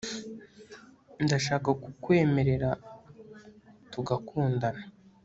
ndashaka kukwemerera tugakundana